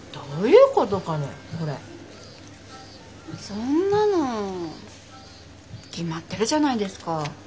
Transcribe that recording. そんなの決まってるじゃないですか。